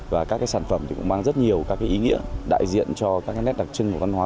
và các sản phẩm cũng mang rất nhiều các ý nghĩa đại diện cho các nét đặc trưng của văn hóa